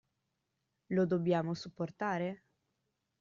Lo dobbiamo supportare?